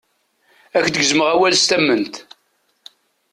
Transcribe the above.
Ad ak-gezmeɣ awal s tament.